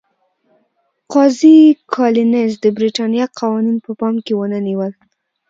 قاضي کالینز د برېټانیا قوانین په پام کې ونه نیول.